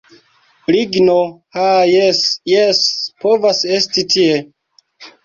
Ligno, ha jes, jes povas esti tie